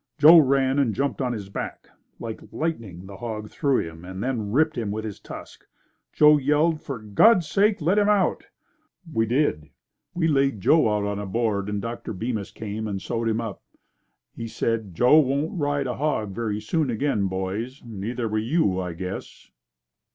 Joe ran and jumped on his back. Like lightning the hog threw him and then ripped him with his tusk. Joe yelled, "For God's sake let him out." We did. We laid Joe out on a board and Dr. Bemis came and sewed him up. He said, "Joe won't ride a hog very soon again, boys. Neither will you, I guess."